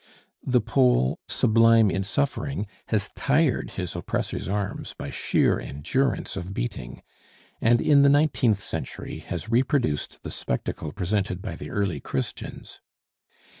The Pole, sublime in suffering, has tired his oppressors' arms by sheer endurance of beating; and, in the nineteenth century, has reproduced the spectacle presented by the early Christians.